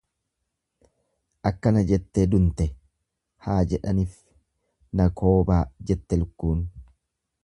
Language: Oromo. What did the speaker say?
Akkana jettee dunte haa jedhanif na koobaa jette lukkuun.